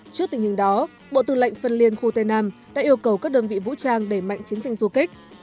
trước tình hình đó bộ tư lệnh phân liên khu tây nam đã yêu cầu các đơn vị vũ trang đẩy mạnh chiến tranh du kích